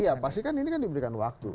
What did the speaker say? iya pasti kan ini kan diberikan waktu